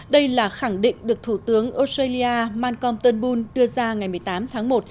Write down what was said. đây là khẳng định được thủ tướng australia mancompton boone đưa ra ngày một mươi tám tháng một